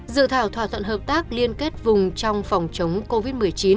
dự thảo thỏa thuận hợp tác liên kết vùng trong phòng chống covid một mươi chín